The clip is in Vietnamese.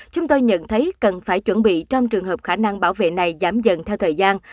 chúng tôi nhận thấy cần phải chuẩn bị trong trường hợp khả năng bảo vệ này giảm dần theo thời gian